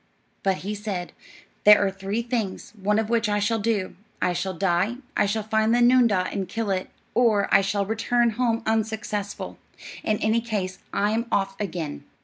But he said: "There are three things, one of which I shall do: I shall die; I shall find the noondah and kill it; or I shall return home unsuccessful. In any case, I'm off again."